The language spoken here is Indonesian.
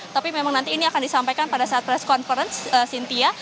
tapi memang nanti ini akan disampaikan pada saat press conference cynthia